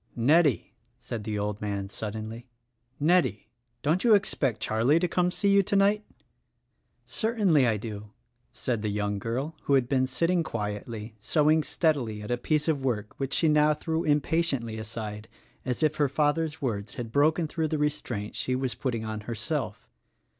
"Nettie," said the old man suddenly, "Nettie, don't you expect Charlie to come to see you tonight?" "Certainly I do," said the young girl who had been sit ting quietly, sewing steadily at a piece of work which she now threw impatiently aside as if her father's words had broken through the restraint she was putting on herself.